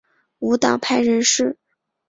无党派人士。